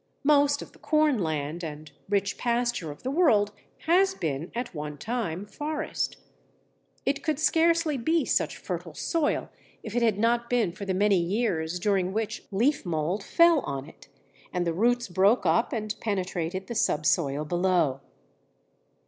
Most of the corn land and rich pasture of the world has been at one time forest. It could scarcely be such fertile soil if it had not been for the many years during which leaf mould fell on it, and the roots broke up and penetrated the subsoil below.